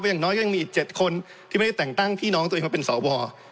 อย่างน้อยก็ยังมีอีก๗คนที่ไม่ได้แต่งตั้งพี่น้องตัวเองมาเป็นสว